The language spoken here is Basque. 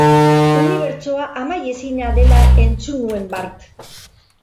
Unibertsoa amaiezina dela entzun nuen bart.